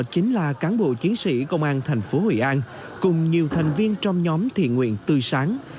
đây là cán bộ chiến sĩ công an tp hội an cùng nhiều thành viên trong nhóm thiện nguyện tươi sáng